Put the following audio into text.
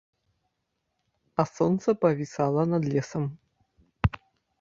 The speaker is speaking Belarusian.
А сонца павісала над лесам.